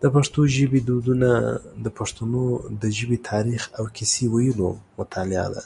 د پښتو ژبی دودونه د پښتنو د ژبی تاریخ او کیسې ویلو مطالعه ده.